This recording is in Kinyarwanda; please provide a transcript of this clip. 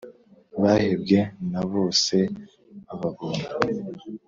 Bahembwe na bose bababonye